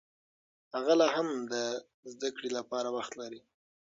هغه لا هم د زده کړې لپاره وخت لري.